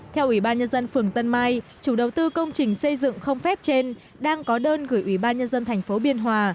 theo ủy ban nhân dân phường tân mai chủ đầu tư công trình xây dựng không phép trên đang có đơn gửi ủy ban nhân dân thành phố biên hòa